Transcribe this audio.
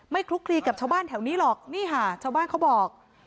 คลุกคลีกับชาวบ้านแถวนี้หรอกนี่ค่ะชาวบ้านเขาบอก